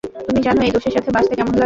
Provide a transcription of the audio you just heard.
তুমি জানো এই দোষের সাথে বাঁচতে কেমন লাগে?